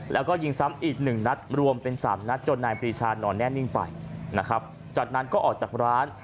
แล้วก็ยิงซ้ำอีกหนึ่งนัดรวมเป็นสามนัดจนนายปรีชานอนแน่นิ่งไปนะครับจากนั้นก็ออกจากร้าน